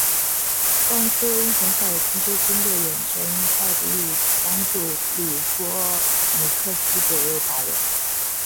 共七位英雄率领七支军队远征忒拜以帮助波吕尼克斯夺回王位。